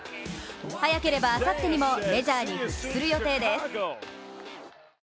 早ければ、あさってにもメジャーに復帰する予定です。